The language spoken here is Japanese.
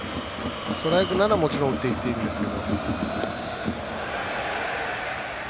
ストライクなら、もちろん打っていっていいんですが。